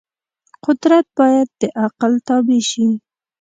قدرت باید د عقل تابع شي.